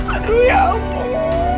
aduh ya ampun